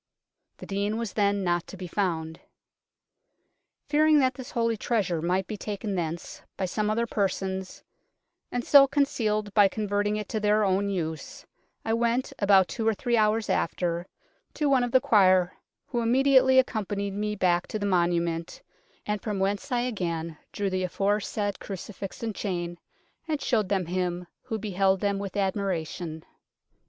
The Dean was not then to be found. " Fearing that this holy treasure might be taken thence by some other persons, and so con cealed by converting it to their own use, I went (about two or three hours after) to one of the Quire, who immediately accompanied me back to the monument, and from whence I again drew the aforesaid Crucifix and Chain, and showed them him, who beheld them with admiration.